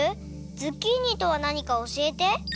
ズッキーニとはなにかおしえて！